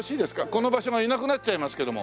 この場所がいなくなっちゃいますけども。